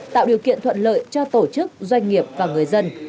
tạo điều kiện thuận lợi cho tổ chức doanh nghiệp và người dân